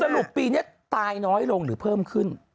ปีนี้ตายน้อยลงหรือเพิ่มขึ้น